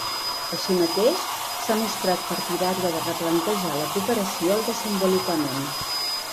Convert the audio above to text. Així mateix, s’ha mostrat partidària de replantejar la cooperació al desenvolupament.